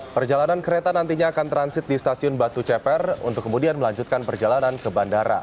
perjalanan kereta nantinya akan transit di stasiun batu ceper untuk kemudian melanjutkan perjalanan ke bandara